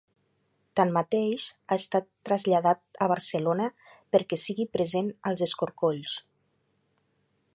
Tanmateix, ha estat traslladat a Barcelona perquè sigui present als escorcolls.